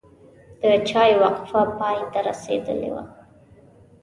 د چای وقفه پای ته رسیدلې وه.